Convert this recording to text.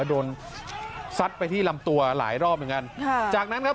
โดนซัดไปที่ลำตัวหลายรอบเหมือนกันค่ะจากนั้นครับ